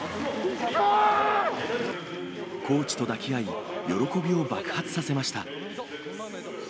コーチと抱き合い、喜びを爆発させました。